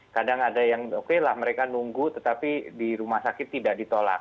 kadang ada yang oke lah mereka nunggu tetapi di rumah sakit tidak ditolak